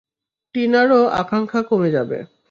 টিনারও আকাঙ্ক্ষা কমে যাবে।